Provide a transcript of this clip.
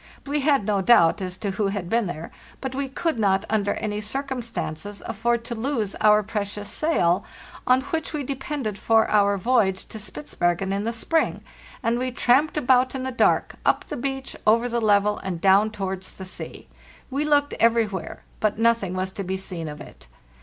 We had no doubt as to who had been there, but we could not under any circumstances afford to lose our precious sail, on which we depended for our voyage to Spitzbergen in the spring, and we tramped about in the dark, up the beach, over the level, and down towards the sea. We looked everywhere, but nothing was to be seen of it.